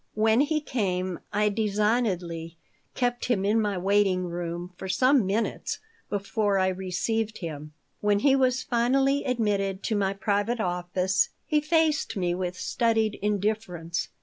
When he came I designedly kept him in my waiting room for some minutes before I received him. When he was finally admitted to my private office he faced me with studied indifference.